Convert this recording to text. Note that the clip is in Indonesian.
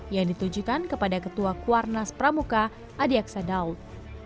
yang ditujukan kepada ketua kuarnas pramuka adiaksa daud